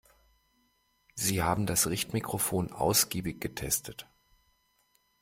Sie haben das Richtmikrofon ausgiebig getestet.